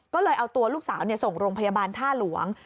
ก็เลยเอาตัวลูกสาวส่งโรงพยาบาลท่าหลวง